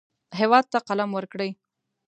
هېواد ته قلم ورکړئ